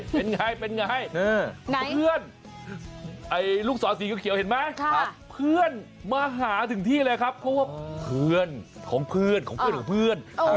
เป็นไงเพื่อนลูกศรสีเขาเขียวเห็นไหมเพื่อนมาหาถึงที่เลยครับเพื่อนของเพื่อนของเพื่อน